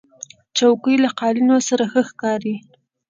چوکۍ له قالینو سره ښه ښکاري.